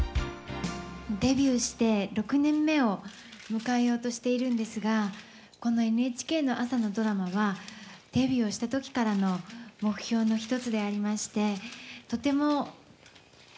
デビューして６年目を迎えようとしているんですがこのＮＨＫの朝のドラマはデビューをした時からの目標の一つでありましてとてもうれしいです。